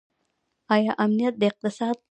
آیا امنیت د اقتصاد لپاره مهم دی؟